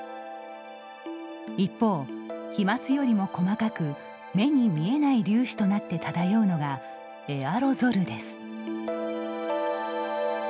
一方、飛まつよりも細かく目に見えない粒子となって漂うのがエアロゾルです。